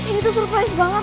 ini tuh surprise banget